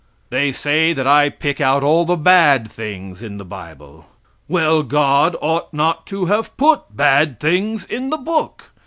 They say that I pick out all the bad things in the bible. Well, God ought not to have put bad things in the book.